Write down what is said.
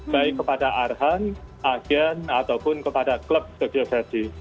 baik kepada arhan agen ataupun kepada klub tokyo versi